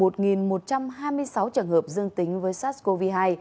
trường hợp dương tính với sars cov hai